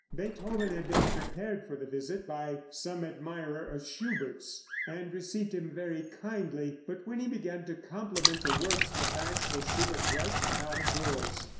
Beethoven had been prepared for the visit by some admirer of Schubert's, and received him very kindly, but when he began to compliment the works the bashful Schubert rushed out of doors.